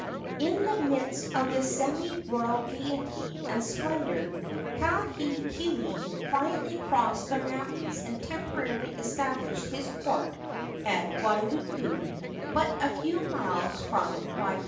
In the midst of this semi royal gayety and splendor Kahekili quietly crossed the mountains and temporarily established his court at Wailuku, but a few miles from Waihee.